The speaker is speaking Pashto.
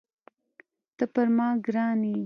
ته پر ما ګران یې.